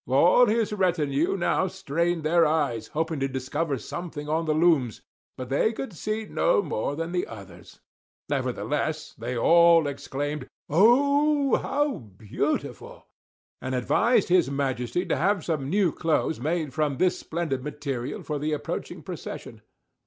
All his retinue now strained their eyes, hoping to discover something on the looms, but they could see no more than the others; nevertheless, they all exclaimed, "Oh, how beautiful!" and advised his majesty to have some new clothes made from this splendid material, for the approaching procession.